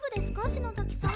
篠崎さん。